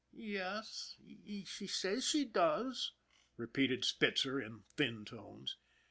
" Yes ; she says she does," repeated Spitzer in thin tones.